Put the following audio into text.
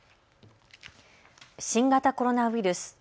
新型コロナウイルス。